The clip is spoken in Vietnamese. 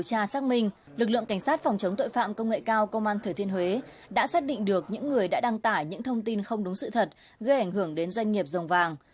cảnh sát phòng chống tội phạm công nghệ cao công an thời thiên huế đã xác định được những người đã đăng tải những thông tin không đúng sự thật gây ảnh hưởng đến doanh nghiệp dòng vàng